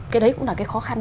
cái đấy cũng là cái khó khăn